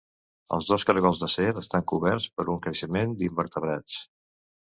Els dos cargols d'acer estan coberts per un creixement d'invertebrats.